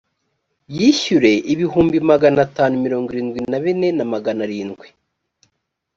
yishyuye ibihumbi magana atanu mirongo irindwi na bine na magana arindwi